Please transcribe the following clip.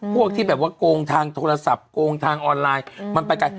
พวกที่แบบว่าโกงทางโทรศัพท์โกงทางออนไลน์มันไปไกล